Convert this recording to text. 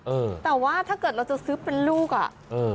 เออแต่ว่าถ้าเกิดเราจะซื้อเป็นลูกอ่ะเออ